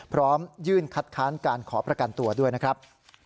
พร้อมยื่นคัดค้านการขอประกันตัวด้วยนะครับ